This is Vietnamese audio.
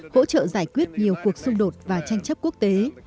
hỗ trợ giải quyết nhiều cuộc xung đột và tranh chấp quốc tế